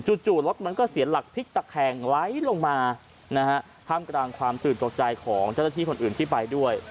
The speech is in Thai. จู่รถมันก็เสียหลักพลิกตะแคงไหลลงมานะฮะท่ามกลางความตื่นตกใจของเจ้าหน้าที่คนอื่นที่ไปด้วย